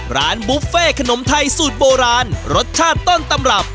บุฟเฟ่ขนมไทยสูตรโบราณรสชาติต้นตำรับ